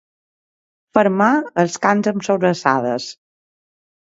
Fermar els cans amb sobrassades.